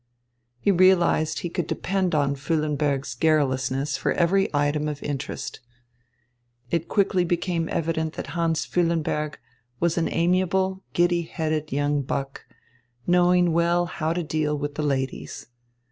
He realised he could depend upon Füllenberg's garrulousness for every item of interest. It quickly became evident that Hans Füllenberg was an amiable, giddy headed young buck, knowing well how to deal with the ladies.